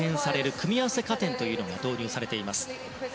組み合わせ加点というのが導入されています。